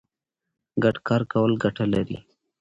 ګډ کار کول ګټه لري.